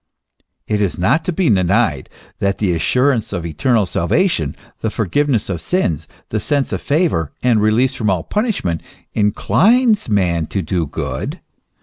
It is not to be denied that the assurance of eternal salvation, the forgiveness of sins, the sense of favour and release from all punishment, inclines man to do good.